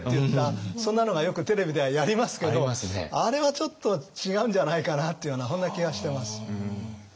そんなのがよくテレビではやりますけどあれはちょっと違うんじゃないかなっていうようなそんな気がしてます。